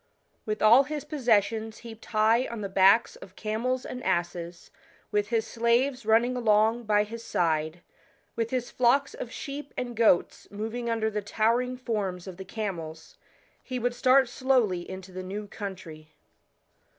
With all his possessions heaped high on the backs of camels and asses, with his slaves running along by his side, with his flocks t>f sheep and goats moving under the towering forms of the camels, he would start slowly into the new country.